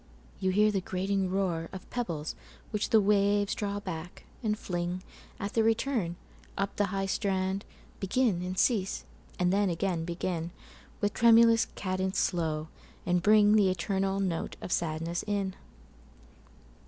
you hear the grating roarOf pebbles which the waves draw back, and fling, At their return, up the high strand, Begin, and cease, and then again begin, With tremulous cadence slow, and bringThe eternal note of sadness in.